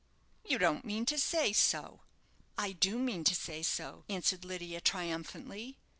"You don't mean to say so?" "I do mean to say so," answered Lydia, triumphantly.